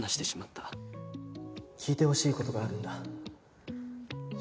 聞いてほしい事があるんだ。